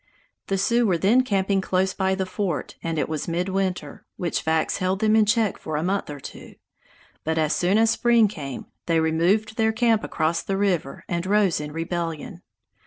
The Sioux were then camping close by the fort and it was midwinter, which facts held them in check for a month or two; but as soon as spring came, they removed their camp across the river and rose in rebellion.